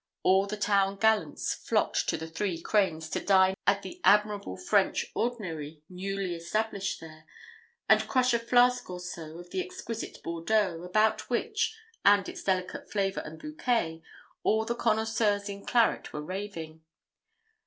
All the town gallants flocked to the Three Cranes to dine at the admirable French ordinary newly established there, and crush a flask or so of the exquisite Bordeaux, about which, and its delicate flavour and bouquet, all the connoisseurs in claret were raving.